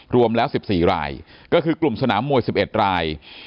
รวมแล้ว๑๔รายก็คือกลุ่มสนามมวย๑๑ราย